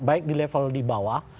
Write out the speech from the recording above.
baik di level di bawah